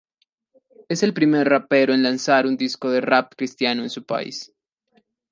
Es el primer rapero en lanzar un disco de rap cristiano en su país.